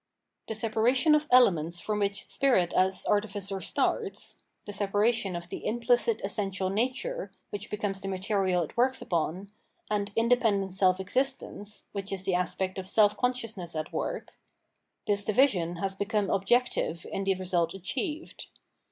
The separation of elements from which spirit as * Egyptian religions. 707 708 Phenomenology of Mind artificer starts — tlie separation of the impKcit essential nature, wMcli becomes th.e material it works npon, and independent sefi existence, wbick is the aspect of self consciousness at work— this division has become objective in the result achieved.